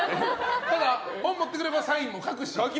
ただ本持ってくればサインも書くし。